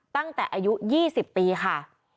ตั้งแต่อายุ๒๐ปีค่ะ